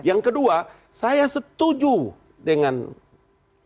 yang kedua saya setuju dengan presiden